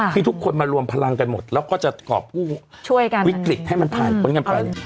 ค่ะที่ทุกคนมารวมพลังกันหมดแล้วก็จะกรอกกู้ช่วยกันวิกฤตให้มันผ่านกันไป